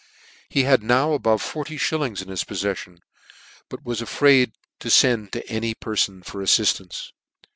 He had now above forty (hillings in his pofieffion, but was afraid to fend to any perfon for affiftance.